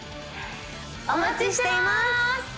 お待ちしています！